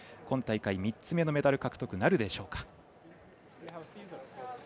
今大会３つ目のメダル獲得なるでしょうか。